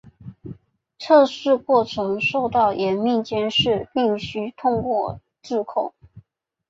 测试过程受到严密监视并须通过质控。